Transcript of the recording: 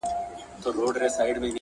څومره دي لا وګالو زخمونه د پېړیو.!